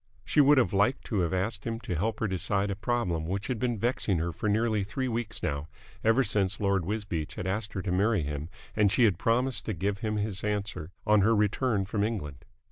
She would have liked to ask him to help her decide a problem which had been vexing her for nearly three weeks now, ever since Lord Wisbeach had asked her to marry him and she had promised to give him his answer on her return from England.